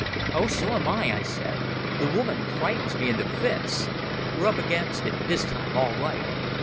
"Oh, so am I," I said. "The woman frightens me into fits. We're up against it this time all right.